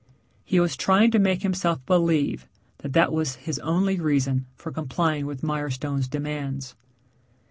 He was trying to make himself believe that that was his only reason for complying with Mirestone's demands.